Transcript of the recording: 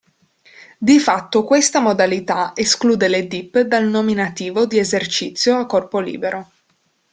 Di fatto questa modalità esclude le "dip" dal nominativo di esercizio a corpo libero.